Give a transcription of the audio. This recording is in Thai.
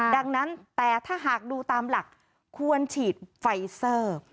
ดังนั้นแต่ถ้าหากดูตามหลักควรฉีดไฟเซอร์